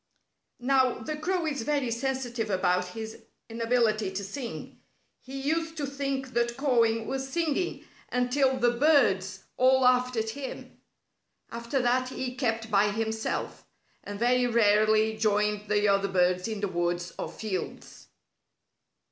Now, the crow is very sensitive about his inability to sing. He used to think that cawing was singing until the birds all laughed at him. After that he kept by himself, and very rarely joined the other birds in the woods or fields.